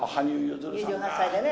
２８歳でね。